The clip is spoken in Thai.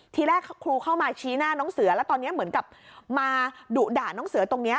ทีแรกครูเข้ามาชี้หน้าน้องเสือแล้วตอนนี้เหมือนกับมาดุด่าน้องเสือตรงนี้